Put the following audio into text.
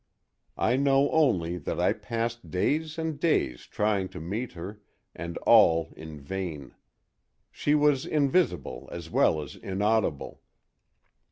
I know only that I passed days and days trying to meet her, and all in vain; she was invisible as well as inaudible.